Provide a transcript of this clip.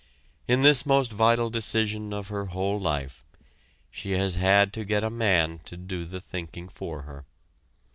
In this most vital decision of her whole life, she has had to get a man to do the thinking for her.